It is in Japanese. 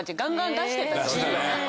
出してたね。